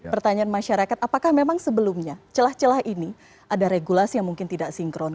pertanyaan masyarakat apakah memang sebelumnya celah celah ini ada regulasi yang mungkin tidak sinkron